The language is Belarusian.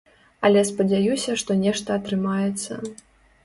Але спадзяюся, што нешта атрымаецца.